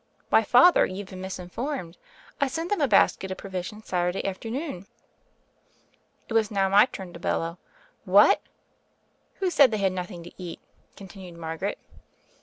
"Why, Father, you've been misinformed: I sent them a basket of provisions Saturday afternoon 1" It was now my turn to bellow "Whatl" "Who said they had nothing to eat?" con tinued Margaret.